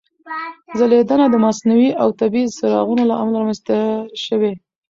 ځلېدنه د مصنوعي او طبیعي څراغونو له امله رامنځته شوې.